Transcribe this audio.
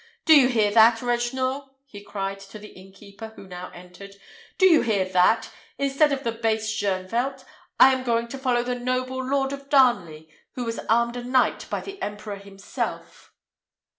Do you hear that, Regnault?" he cried to the innkeeper, who now entered; "do you hear that? Instead of the base Shoenvelt, I am going to follow the noble Lord of Darnley, who was armed a knight by the emperor himself."